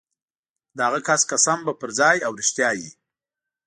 د هغه کس قسم به پرځای او رښتیا وي.